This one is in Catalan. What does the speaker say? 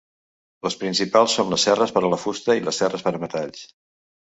Les principals són les serres per a la fusta i les serres per a metalls.